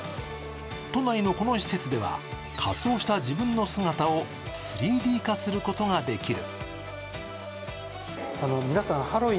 都内のこの施設では、仮装した自分の姿を３Ｄ化することができる。